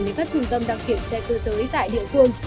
đến các trung tâm đăng kiểm xe cơ giới tại địa phương